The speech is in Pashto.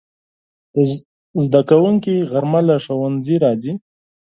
زدهکوونکي غرمه له ښوونځي راځي